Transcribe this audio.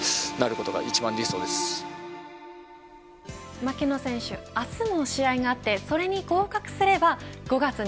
槙野選手、明日も試合があってそれに合格すれば、５月に